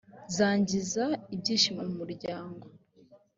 zangiza ibyishimo mu muryango.